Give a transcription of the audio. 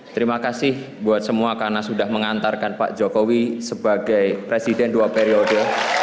terima kasih buat semua karena sudah mengantarkan pak jokowi sebagai presiden dua periode